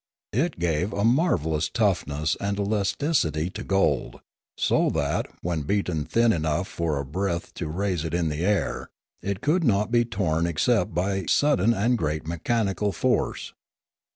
It gave a marvellous toughness and elasticity to gold, so that, wheu beaten thin enough for a breath to raise it in the air, it could not be torn except by sudden and great mechanical force.